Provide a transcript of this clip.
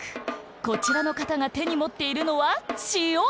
こちらのかたがてにもっているのは塩！